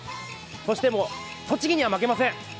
そしてもう、栃木には負けません。